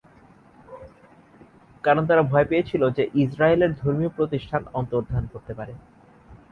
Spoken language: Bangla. কারণ তারা ভয় পেয়েছিল যে ইসরায়েলের ধর্মীয় প্রতিষ্ঠান অন্তর্ধান করতে পারে।